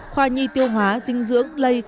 khoa nhi tiêu hóa dinh dưỡng lây